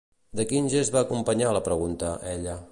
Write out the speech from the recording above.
De quin gest va acompanyar la pregunta, ella?